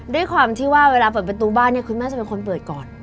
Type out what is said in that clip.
ด้วยความที่ว่าเวลาเปิดประตูบ้านเนี่ยคุณแม่จะเป็นคนเปิดก่อน